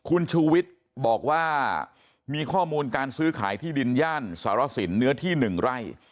คุณชูวิทย์บอกว่ามีข้อมูลการซื้อขายที่ดินย่านสารสินเนื้อที่๑ไร่